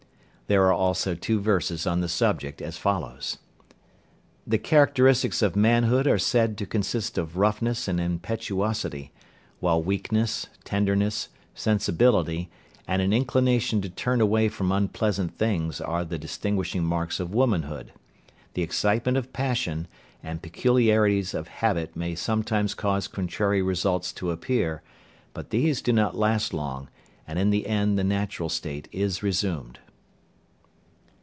There are also two verses on the subject as follows: "The characteristics of manhood are said to consist of roughness and impetuosity, while weakness, tenderness, sensibility, and an inclination to turn away from unpleasant things are the distinguishing marks of womanhood. The excitement of passion, and peculiarities of habit may sometimes cause contrary results to appear, but these do not last long, and in the end the natural state is resumed."